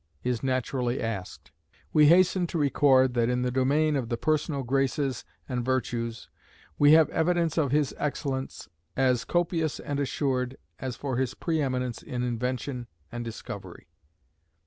is naturally asked. We hasten to record that in the domain of the personal graces and virtues, we have evidence of his excellence as copious and assured as for his pre eminence in invention and discovery.